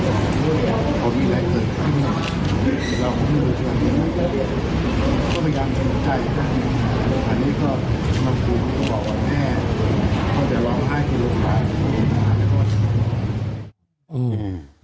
อันนี้ก็บางครูก็บอกว่าแม่เขาจะลองให้คุณรับตัวจริงมากขึ้น